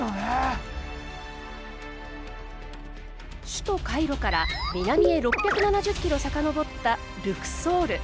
首都カイロから南へ６７０キロ遡ったルクソール。